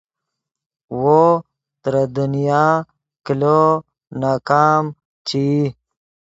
وو ترے دنیا کلو ناکام چے ای